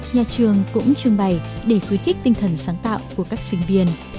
nhà trường cũng trưng bày để khuyến khích tinh thần sáng tạo của các sinh viên